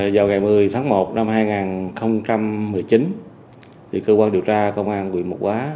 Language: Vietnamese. vào ngày một mươi tháng một năm hai nghìn một mươi chín cơ quan điều tra công an quỳ mục quá